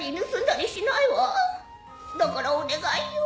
だからお願いよ。